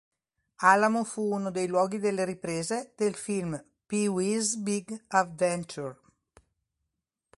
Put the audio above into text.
Alamo fu uno dei luoghi delle riprese del film Pee-wee's Big Adventure.